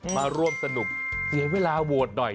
มาร่วมสนุกเสียเวลาโหวตหน่อย